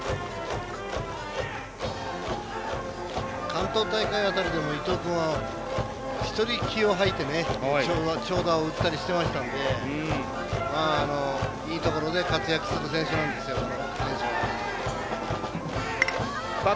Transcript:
関東大会辺りでも伊藤君は長打を打ってたりしてましたんでいいところで活躍する選手なんですよね。